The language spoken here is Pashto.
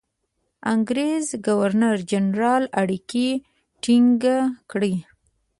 انګرېز ګورنرجنرال اړیکې ټینګ کړي.